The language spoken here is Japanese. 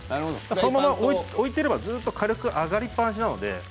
そのまま置いてればずっと火力が上がりっぱなしなので。